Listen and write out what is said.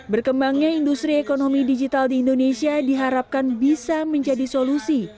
berkembangnya industri ekonomi digital di indonesia diharapkan bisa menjadi solusi